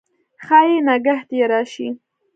ښايي نګهت یې راشي